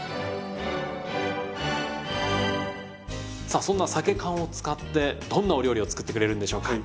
さあそんなさけ缶を使ってどんなお料理を作ってくれるんでしょうか。